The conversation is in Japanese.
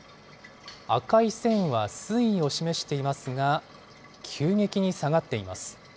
赤い線は水位を示していますが、急激に下がっています。